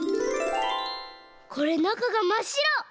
これなかがまっしろ！